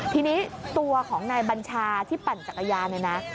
ทีนี้ตัวของนายบัญชาที่ปั่นจักรยานเนี่ยนะ